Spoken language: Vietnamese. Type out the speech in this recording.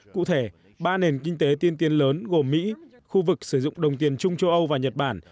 cụ thể ba nền kinh tế tiên tiến lớn gồm mỹ khu vực sử dụng đồng tiền chung châu âu và nhật bản